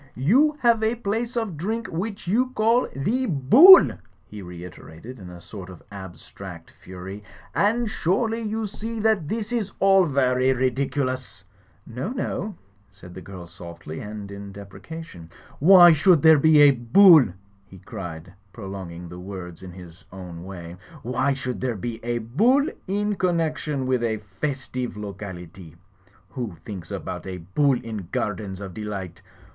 ''You have a place of drink, which you call The Bool," he reiterated in a sort of abstract fury, "and surely you see that this is all vary ridiculous !" "No, no !" said the girl, softly, and in deprecation. "Why should there be a Bull?" he cried, prolong ing the word in his own way. "Why should there be a Bull in connection with a festive locality? Who thinks about a Bull in gardens of delight?